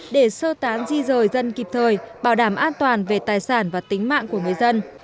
để sơ tán di rời dân kịp thời bảo đảm an toàn về tài sản và tính mạng của người dân